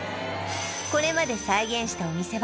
これまで再現したお店は